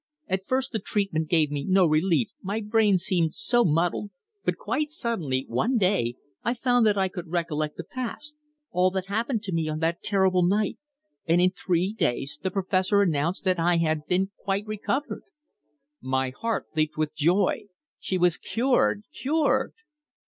At first, the treatment gave me no relief, my brain seemed so muddled, but quite suddenly one day I found that I could recollect the past all that happened to me on that terrible night. And in three days the Professor announced that I had quite recovered!" My heart leapt with joy! She was cured! cured!